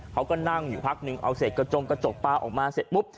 เขาก็นั่งอยู่พักนึงเอาเศษกระจงกระจกปลาออกมาเสร็จปุ๊บ